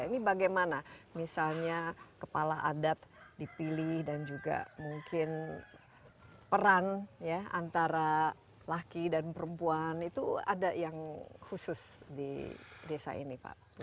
ini bagaimana misalnya kepala adat dipilih dan juga mungkin peran antara laki dan perempuan itu ada yang khusus di desa ini pak